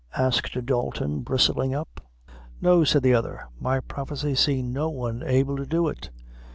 asked Dalton, bristling up. "No," said the other; "my prophecy seen no one able to do it."